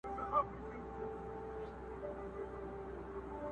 خداى به خوښ هم له سر کار هم له قاضي وي!.